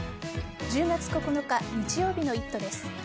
１０月９日日曜日の「イット！」です。